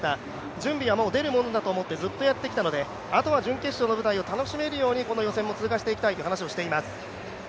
準備はもう出るものだと思ってずっとやってきたのであとは準決勝の舞台を楽しめるように、この予選も通過していきたいと話しています。